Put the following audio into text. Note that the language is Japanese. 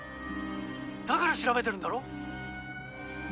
だから調べてるんだろ？